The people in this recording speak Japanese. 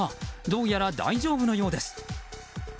どうやら大丈夫のようです。